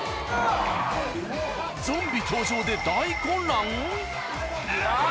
ゾンビ登場で大混乱？